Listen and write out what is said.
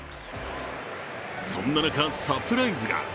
そんな中、サプライズが。